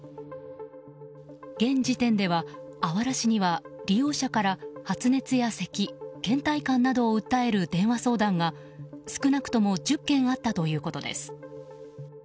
現時点では、あわら市には利用者から発熱やせき倦怠感などを訴える電話相談が少なくとも１０件あったということです。